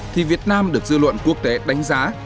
thì việt nam được dư luận quốc tế đánh giá